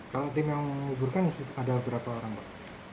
kalau tim yang menguburkan ada berapa orang pak